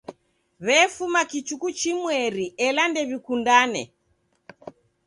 W'efuma kichuku chimweri ela ndew'ikundane.